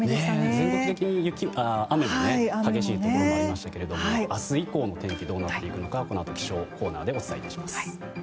全国的に雨が激しいところもありましたが明日以降の天気がどうなっていくかこのあと、気象コーナーでお伝えします。